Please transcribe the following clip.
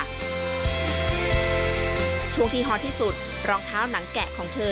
ช่วงที่ฮอตที่สุดรองเท้าหนังแกะของเธอ